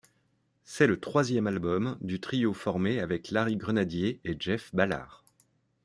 C'est le troisième album du trio formé avec Larry Grenadier et Jeff Ballard.